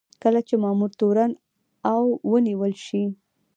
کله چې مامور تورن او ونیول شي.